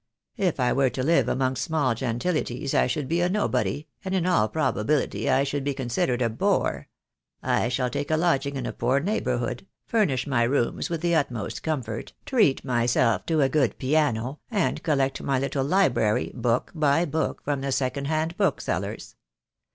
If I were to live amongst small gentilities I should be a nobody, and in all probability I should be considered a bore. I shall take a lodging in a poor neighbourhood , furnish my rooms with the utmost comfort, treat myself to a good piano, and collect my little library book by book from the second hand book sellers.